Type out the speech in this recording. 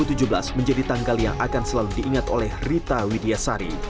dua puluh tujuh september dua ribu tujuh belas menjadi tanggal yang akan selalu diingat oleh rita widiasari